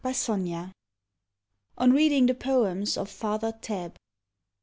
1 20 ON READING THE POEMS OF FATHER TABB.